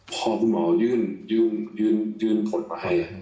พอคุณหมอยืนขนชายสัมภาษณณ์เลย